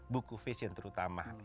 buku fashion terutama